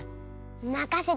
まかせて！